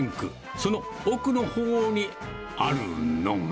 その奥のほうにあるのが。